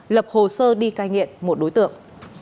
lập hồ sơ đi cai nghiện một đối tượng